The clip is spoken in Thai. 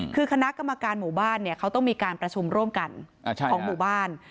คือคณะกรรมการหมู่บ้านเขาต้องมีการประชุมร่วมกันของหมู่บ้าน